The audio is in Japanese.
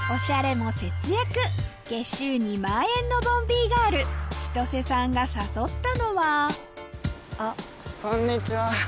月収２万円のボンビ−ガールちとせさんが誘ったのはこんにちは。